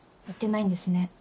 言ってないんですね